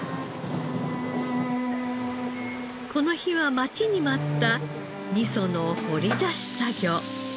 この日は待ちに待った味噌の掘り出し作業。